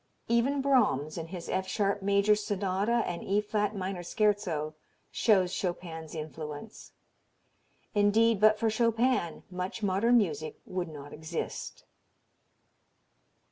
Even Brahms in his F sharp major Sonata and E flat minor Scherzo shows Chopin's influence. Indeed but for Chopin much modern music would not exist.